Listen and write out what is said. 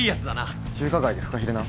中華街でフカヒレな。